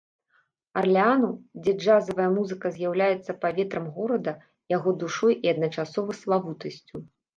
Арлеану, дзе джазавая музыка з'яўляецца паветрам горада, яго душой і адначасова славутасцю.